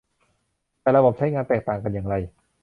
แต่ละแบบใช้งานแตกต่างกันอย่างไร